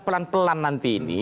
pelan pelan nanti ini